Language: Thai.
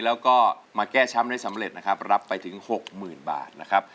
แล้วก็มาแก้ช้ำได้สำเร็จนะครับรับไปถึง๖๐๐๐บาทนะครับ